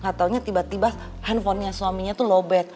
gak taunya tiba tiba handphonenya suaminya tuh lobet